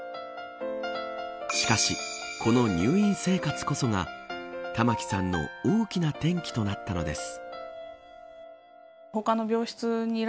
しかし、この入院生活こそが玉城さんの大きな転機となったのです。